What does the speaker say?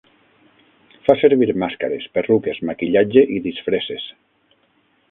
Fa servir màscares, perruques, maquillatge i disfresses.